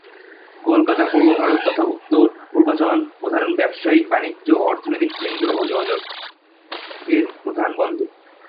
কলকাতা পূর্ব ভারত তথা সমগ্র উত্তর-পূর্বাঞ্চলের প্রধান ব্যবসায়িক, বাণিজ্যিক ও অর্থনৈতিক কেন্দ্র এবং যোগাযোগের প্রধান বন্দর।